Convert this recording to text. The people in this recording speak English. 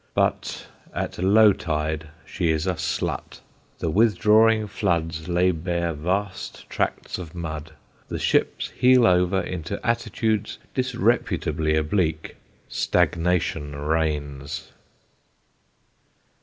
But at low tide she is a slut: the withdrawing floods lay bare vast tracts of mud; the ships heel over into attitudes disreputably oblique; stagnation reigns.